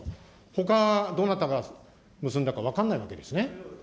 ほか、どなたが結んだか分かんないわけですね。